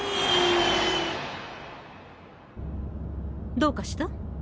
どうかした？